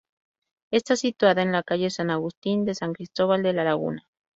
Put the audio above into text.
Está situada en la calle San Agustín de San Cristóbal de La Laguna.